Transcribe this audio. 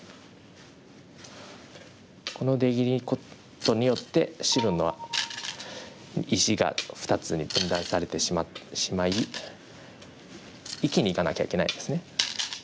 この出切ることによって白の石が２つに分断されてしまい生きにいかなきゃいけないですね。